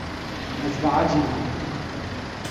Ez behecî me.